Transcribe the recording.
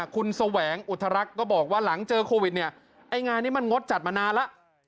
คุณแสวงอุทรักษ์ก็บอกว่าหลังเจอโควิดเนี่ยไอ้งานนี้มันงดจัดมานานแล้ว